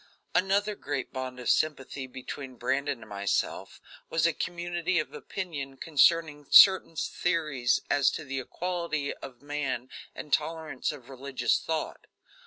Another great bond of sympathy between Brandon and myself was a community of opinion concerning certain theories as to the equality of men and tolerance of religious thought.